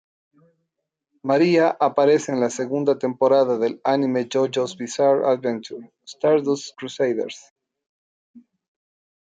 Mariah aparece en las segunda temporadas del anime JoJo's Bizarre Adventure: Stardust Crusaders.